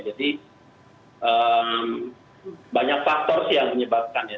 jadi banyak faktor sih yang menyebabkan ya